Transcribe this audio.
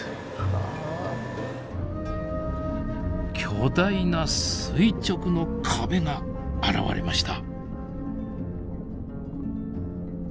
巨大な垂直の壁が現れました。